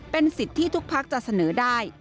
เป็นสิทธิ์ที่ทุกพักจะเสนอได้